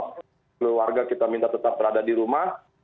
keluarga kita minta tetap berada di rumah